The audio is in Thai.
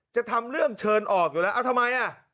จะทำเรื่องเชิญออกอยู่แล้วเอาทำไมอ่ะ